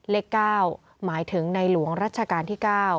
เลข๙หมายถึงในหลวงรัชกาลที่๙